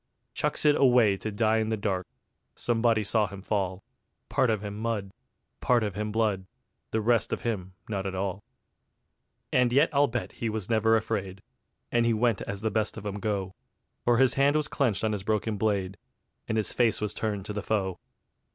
Chucks it away to die in the dark: Somebody saw him fall, Part of him mud, part of him blood, The rest of him not at all. And yet I'll bet he was never afraid, And he went as the best of 'em go, For his hand was clenched on his broken blade, And his face was turned to the foe.